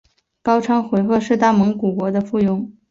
高昌回鹘是大蒙古国的附庸。